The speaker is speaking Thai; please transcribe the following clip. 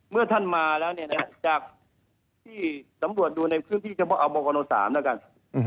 เมื่อท่านมาแล้วจากที่สำรวจดูในพื้นที่เฉพาะอบน๓แล้วกัน